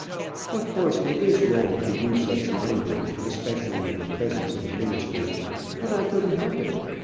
Of course it is wrong to use such language, especially in the presence of a minister, but I couldn't help it.